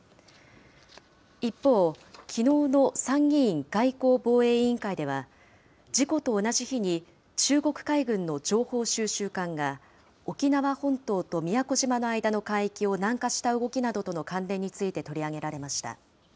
一方、きのうの参議院外交防衛委員会では、事故と同じ日に中国海軍の情報収集艦が、沖縄本島と宮古島の間の海域を南下した動きなどとの関連について取り上げられました。